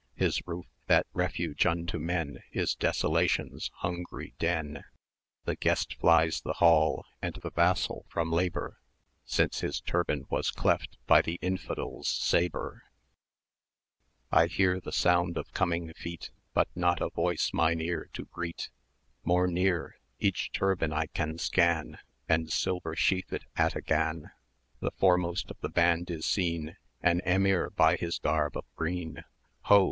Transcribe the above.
His roof, that refuge unto men, Is Desolation's hungry den. The guest flies the hall, and the vassal from labour, 350 Since his turban was cleft by the infidel's sabre![dj] I hear the sound of coming feet, But not a voice mine ear to greet; More near each turban I can scan, And silver sheathèd ataghan; The foremost of the band is seen An Emir by his garb of green: "Ho!